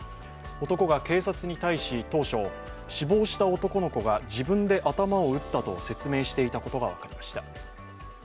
男が警察に対し当初死亡した男の子が自分で頭を打ったと説明していたことが分かりました。